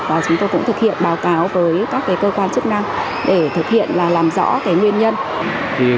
và chúng tôi cũng thực hiện báo cáo với các cơ quan chức năng để thực hiện là làm rõ nguyên nhân